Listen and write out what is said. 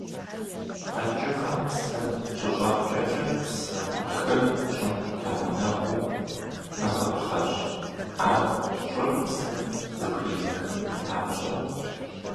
Къэкӏыгъэм псы щыщӏэпкӏэкӏэ псы утхыр щӏым пэгъунэгъуу ӏыгъыпхъэщ, а щӏыр псым зэбгыримыхын папщӏэ.